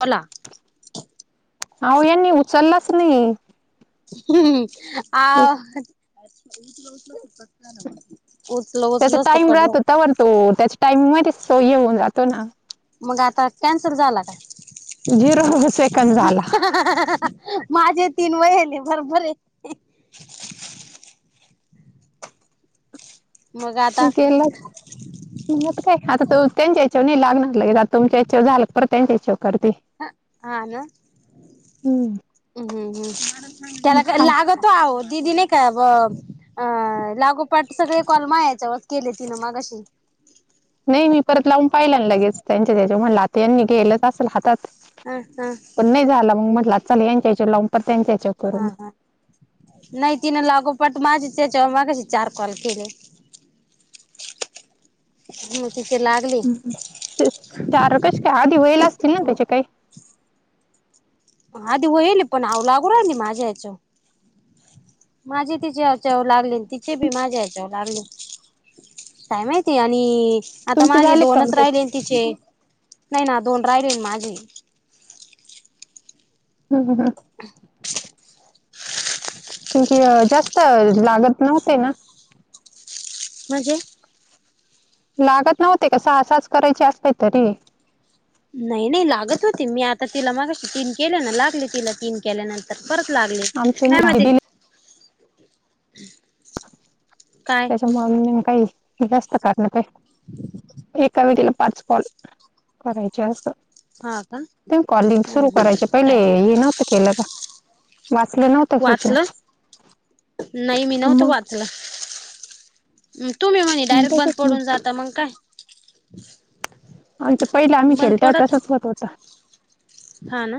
बला अहयानी उचललाच नाही ह् अ उचलं उचल सु का उचल त्याचा तलच त टाइम कडवा राहतो तवर तो त्याच्या टाइमिंग मध्ये सोयी होऊन जातो ना मग आता कॅन्सर झाला काय झिरो सेकंद झाला माझे तीन वयले बरोबर मग आता इकला म्हणत काय आता त त्यांच्या या्याच्यावर नाही लागणार लगे आता तुमच्या या्याच्यावर झाला परत त्यांच्या हच्यावर करते ह हा ना हम्म हम्म हम्म त्याला का हाय लागत तो आ दीदीने काय अ अ लागोपाठ सगळे कॉलमा याच्यावर केले तिन मग अशी नाही मी परत लावून पाहिला लगेच त्यांच्या त्याच्या म्हणला ते यांनी गेलंच असल हातात ह ह पण नाही झाला मग म्हटलं चल यांच्या यायच्या लंपर त्यांच्या याच्यावर करू हा मग हा नाही तिनं लागोपट माझ त्याच्यावर मागेशी चार कॉल केले [inaudible] म तिथ लागली चार कश काय आधी वयल असतील ना त्याचे काही आधी होईल पण ह लागू राली माझ्या या्याच माझे तिचे हचाव लागले तिचे बी माझे याचाव लागले काय माहिती आणि आता तुमचे माझे झाले दोनच कम्प्लीट राहिले तिचे नाही ना दोन राहिले माझे हम् ह. किि जास्त लागत नव्हते ना. म्हजे लागत नव्हते का सहा सास करायचे असते तरी नाही नाही लागत होते मी आता तिला मागाशी तीन केले ना लागले तिला तीन केल्यानंतर परत लागले आमचे नाही ना म हे ते दिले काय? काही जास्त कारण आहे एका व तला पाच पॉल करायचे अस हा का प कॉलिंग सुरू करायचे पहिले काय हे नवते. केलं का वाचलं नव्हत तूच वाचलं नाही मी न होत वाचलं. तुम्ही म्हणे डायरेक्ट बंद त्याच्यात मग पडून जात मग काय? आम पहिले आम्ही बंद खेळतात पडत तसंच होत होत. हा ना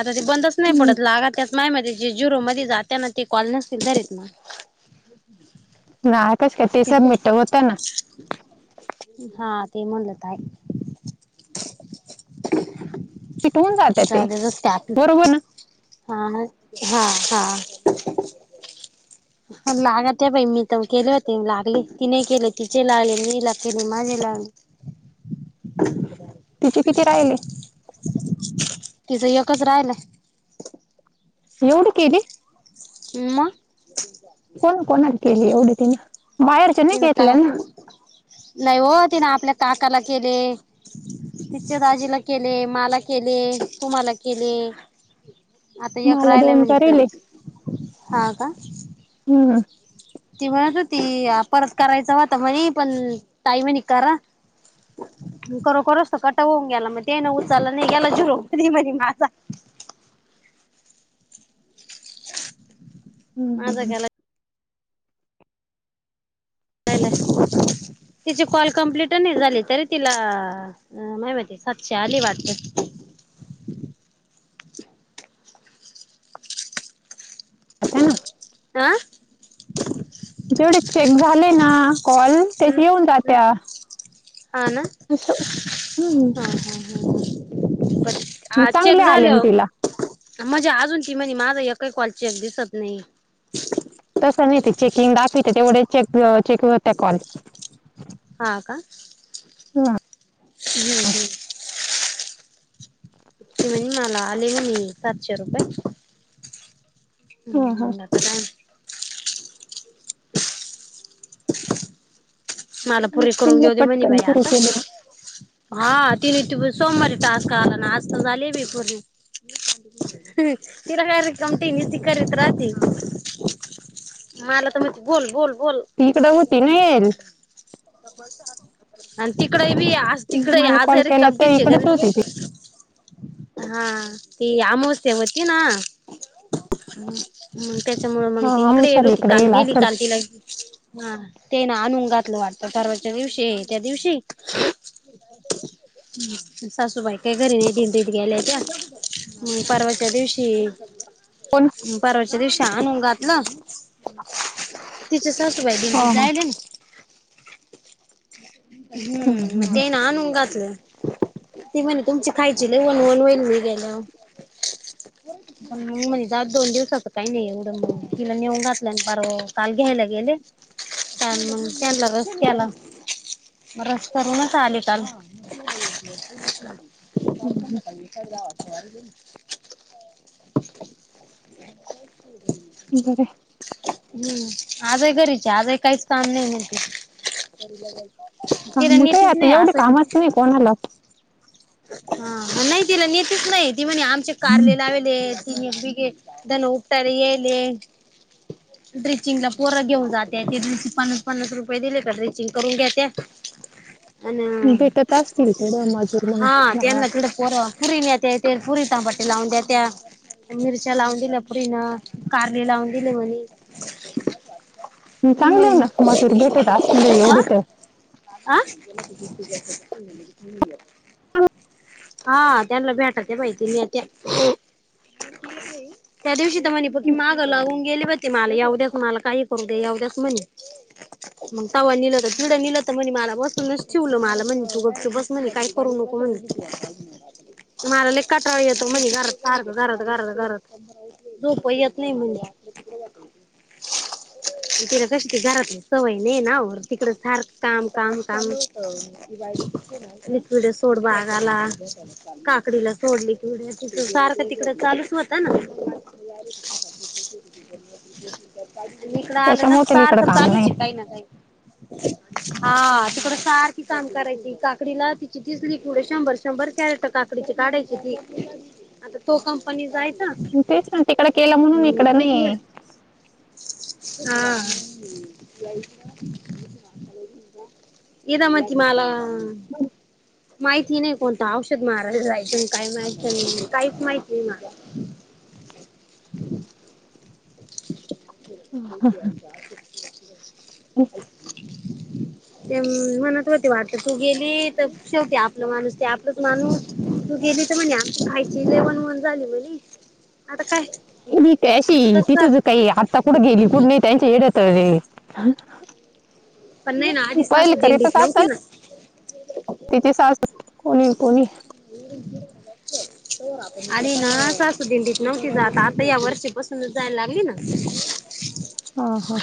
आता ते बंदच नाही हम्म. पडत लागा त्या माय मध्ये जे जुरो मध्ये जातना ते कॉल नसधरत ना. ना कश का तेस मिीठ ते होत ना. हा ते म्हणलंत आहे. मिट होऊन जाते जा ते तर त्याप बरोबर ना हा हा हा. [unintelligible] लागत पई मी तर केले होते लागले ति नाही केले तिचे लागले मी ला केले माझे लागले. [unintelligible] तिचे किती राहिले. तिचं एकच राहिलय. एवढी केली. [unintelligible] कोण कोणाला केले एवढे तिनं. बाहेरचे नाही ति न का घेतल्या ना नाही हो तिने आपल्या काकाला केले. तिच्या दाजीला केले मला केले तूमला केले. आता या क मला रायला दोन म्ह करेले कडे हा का? हम्म. ती म्हणत हो ती परत करायचं वाता म्हणे पण ताईमनी करा. खरोखरचत कट होऊन गेला मग ते ना उचालला नाही गेला शुर म्ह माझा हम्म. माझागला. कायलात. तिची कॉल कम्प्लिट नाही झाली तरी तिला अ माहि माती सातशे आली वाटते. आता ना. आह. जेवढे चेक झाले ना कॉल तेच येऊन जात्या. ह ना. तसं हम्. आ चांगले चेक झाल आले ना हो. तिला म्हणजे अजून ती म्ह माझा एकही कॉल चेक दिसत नाही. तसं नाही ते चेकिंग दाफवित तेवढे चेक चेक होत्या कॉल. हा का? ह. हम् हम्. त म्हणजे मला आले म्ह सातशे रुपये. हा हम्म हा मता का? मला पुरी करून तिने घेऊ दे म्ह पटकन बाई पुरे आता केले हा तिने त सोमवारी तास का आला ना आज तर झाली बी पूर्ण तिरा काय कमटीन्यू त करत राहते मला तर मा बोल बोल बोल ती इकड होती नाल आणि तिकडे बी तिकडे कॉल आजारी केला तर कमटीचे इकडेच घरीच होती ती बक हा ती आंमवशा होती ना ह मग त्याच्यामुं मग ती हा इकडे गेलो विशाल होती काल येईल गेली असेल काल तिला हा ते ना अनुून घातलं वाटत परवाच्या दिवशी त्या दिवशी सासूबाई काय घरी नाही दिन दत गेल्या त्या हम् परवाच्या दिवशी कोण परवाच्या दिवशी ान हो घातलं तिचसस वेडिंग हा हा डिझाईन आहे ना हम्म म ये ना हन उंगातलं ती म्हणे तुमची खायची लवनवन होईल मी गेलं पण मग म्हणे दात दोन दिवसच काही नाही एवडं तिला नेऊन घातलं आणि बार काचाल घ्यायला गेले ल मग त्याला रस त्याला रस करूनच आली काल का ए का जावाारी बर हम्म आजही घरीचे आजही काहीच काम नाही नते काम काय आता एवढे कामच नाही कोणाला हा नाही तिला नेतच नाही ती म्हणे आमचे कारले लावेले ति ताण उपट्याला ये ड्रिचिंगला पोरं घेऊन जाते ते पन्स पन्नास रुपये दिले तर ड्र्रीचिंग करून घेते भेटत असतील तेडं माझ्या हा तेन ना कड पोर् पुरीनय ते पुरी इ त पटला उनयता मिरच्या लावून दिल्या पुरीन कारले लावून दिले म्हणे चांगले ना मजूर भेटत असले हा एवढे तर हा हा त्यांना भेटाच माहिती मी त्या त्या दिवशी म्हणे प की मागं लावून गेली बती मला येवद्यास मला काही करू दे एवद्यास म्हणे मग तवा निलं तर जिडं नलं तर म्हणे मला बसूनच ठेवलं मला म्हणज तू गप तू बस म्हणे काय करू नको म्हणज मला ल कटराळ येतो म्हणे घरात सारखं घरात घरत गरज रोप यत नाही म्हणजे तिला कशी त झाराात सवय नाही ना होर तिकडं सारख काम काम काम लिक्विड सोड बागाला काकडीला सोडली तवड्या तिथ सारखं तिकड चालूच होत ना नििकला का त्याच्यामुळे त्याला सर इकडं तर काम चलच नाही काही ना काही हा तिकड सारखी काम करायची काकडीला तिची तीच पुढे शंभर शंभर कॅरेट काकडीची काढायची ती आता तो कंपनी जायच तेच ना तिकड केलं म्हणून इकड लिक्विड नाही हा ये मज मला माहिती नाही कोणत औषध मारय तून काही माहि नाही काहीच माहिती नाही मार ते मनात होती वाट तू गेली तर शेवटी आपला माणूस ते आपलंच माणूस तू गेली म्हणजे आमची खायची इलेवन वन झाली म्हली आता काय कय अशी तसं तिथंच काही आत्ता कुठं गेली कुठे नाही त्यांच्या येड्या तळले. पण नाही ना आधी पहिल सासू करीतच दिंडीत नव्हती आसल ना तिची सासू कोणी कोणी. [inaudible] आणि ना सासू अस दिंडीत नव्हती जात आता या वर्षीपासून जायला लागली ना. हा हां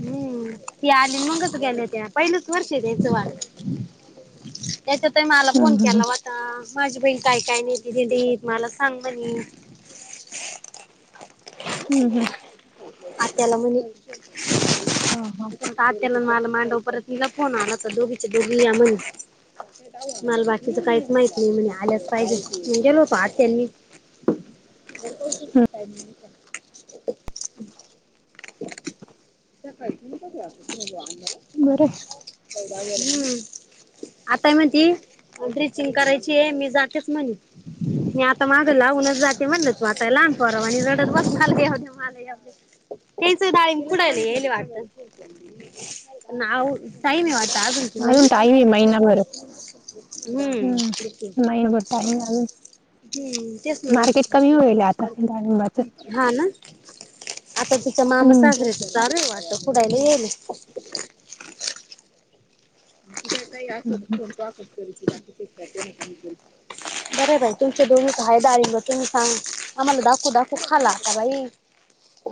हम्म ती आली मगच गेल्या त्या पहिलंच वर्ष त्याचं वार ह् [inaudible] त्याच्यातही मला हम्म फोन हम्म केला होता माझी बहीण काय काय नाही त दिदी मला सांग म्हणे. हम् हम् आत्याला म्हणे. हा हां तात्याला मला मांडव परतनला फोन आला तर दोघीच्या दोघी या म्हणे. मला बाकीच काहीच माहित नाही म्हणे आल्यास पाहिजे म्हणजे गेलो होतो आत्या आणि मी. हम्म [inaudible] ह [inaudible] [unintelligible] [unintelligible] बरं आहे. आताय म्हणती ब्लिचिंग करायची आहे मी जातेच म्हणे. मी आता मागे लावूनच जाते म्हणलंच म आता लहान पररावा आणि रडत बसलव मा तेस नाडी कूडली. वा काही टाईम आहे वाटत अजून? ती अजून म्हणे टाईम ते महिनाभर. हम्म हम्म महिनाभर टाईम आहे अजून तेच ना मार्केट कमी होईल आता मग डाळिंबाचं हा ना आता तिच्या हम्म मामसासरेच चा रे वा पुुडाला येल तता यात हम्म कोणक करायचीकी श [unintelligible] [inaudible] बरं बाई तुमचे दोनघींच कायदारी म तुम्ही सांग आम्हाला दाखू दाखू खाला आता भाई.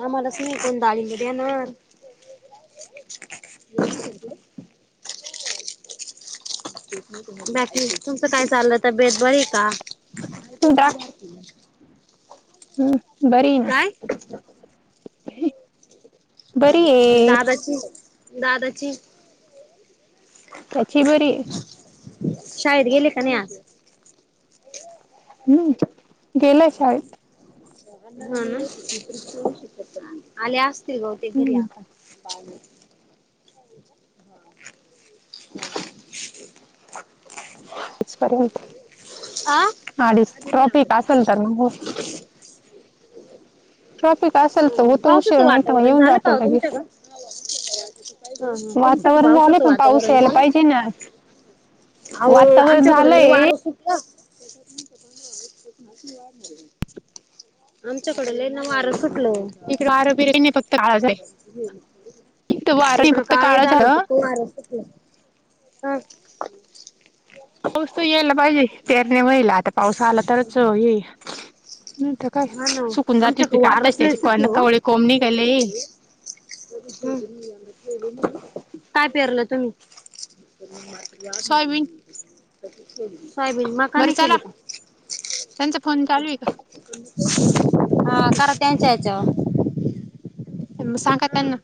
आम्हालाच नाही कोण डाळींब देणार. म [inaudible] बाकी तुमच काय चाललं तब्बेत बरी आहे का? तू हम् काय [inaudible] आहे दादाची दादाची. त्याची बरी आहे. शाळेत गेले का नाही आज? हम्म गेलाय शाळेत. शकत आले असतील बहुतेक घरी हम्म आता. [inaudible] [unintelligible] पर्यंत आ [unintelligible] ट्रॉफिक असल तर मग ट्रॉफिक असेल तर होतो उशीर पावसाचं नाही तर मग वातावरण येऊन झालं जातो लगेच. हा हा तुमचं पावसाचं वातावरण का. ते ना आलो वातावरण आमच्याकड लय झालंय वार सुटलं. [inaudible] आमच्याकड लय न वारं सुटलं. वारं - बीरं काय नाही. फक्त काळ [unintelligible] इकडं, काळ ही झालं. फक्त वारं सुटलय. पाऊस त यायला पाहिजे. पेरण्या व्हायला आता पाऊस आला तरच, येई नाही तर काय. हा ना सुकून जातील आमच्याकडं पिक. आताच वारंच लय त्याचे को सुटलं हो कवळे कोंब निघायले. [unintelligible] काय, पेरलं तुम्ही? Soybean [unintelligible] soybean. मका, बरं नाही चला केली का? त्यांचा फोन चालू आहे हा करा त्यांच्या याच्याव. [unintelligible] सांगा त्यांना.